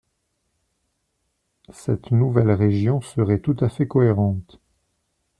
Cette nouvelle région serait tout à fait cohérente.